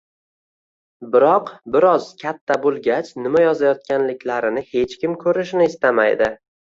biroq bir oz katta bo‘lgach, nima yozayotganliklarini hech kim ko'rishini istamaydi.